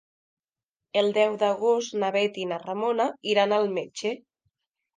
El deu d'agost na Bet i na Ramona iran al metge.